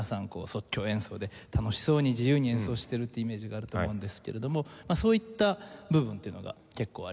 即興演奏で楽しそうに自由に演奏してるってイメージがあると思うんですけれどもそういった部分っていうのが結構ありますので。